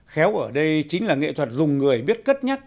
khéo ở đây chính là nghệ thuật dùng người biết cất nhắc